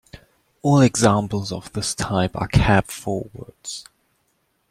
All examples of this type are cab forwards.